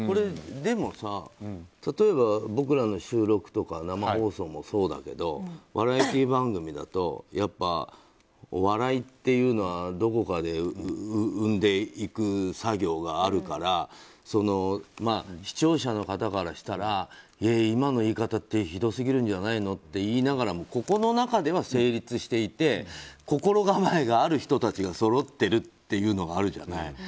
でも、例えば僕らの収録とか生放送もそうだけどバラエティー番組だとやっぱり、お笑いっていうのはどこかで生んでいく作業があるから視聴者の方からしたら今の言い方ってひどすぎるんじゃないのって言いながらもここの中では成立していて心構えがある人たちがそろってるっていうのがあるじゃない。